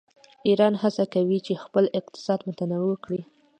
ایران هڅه کوي چې خپل اقتصاد متنوع کړي.